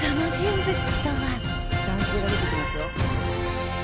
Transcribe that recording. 男性が出てきますよ。